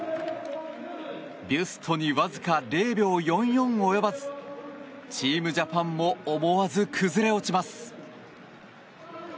ビュストにわずか０秒４４及ばずチームジャパンも思わず崩れ落ちます。